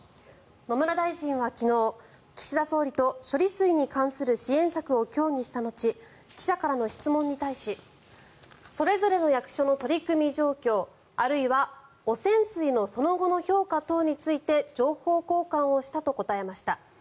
野村大臣は昨日岸田総理と処理水に関する支援策を協議した後記者からの質問に対しそれぞれの役所の取り組み状況あるいは汚染水のその後の評価等について情報交換をしたと答えました。